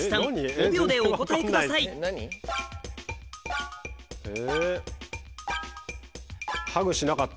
５秒でお答えくださいえ？